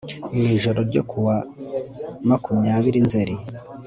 mu ijoro ryo ku wa makumyabiri nzeri